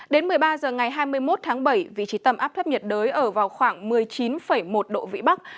đến một mươi ba h ngày hai mươi một tháng bảy vị trí tâm áp thấp nhiệt đới ở vào khoảng một mươi chín một độ vĩ bắc